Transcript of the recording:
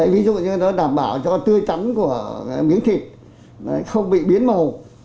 ví dụ như nó đảm bảo cho tươi trắng của miếng thịt không bị biến màu